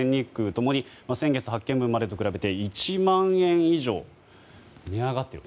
ともに先月発券分までと比べて１万円以上値上がっている。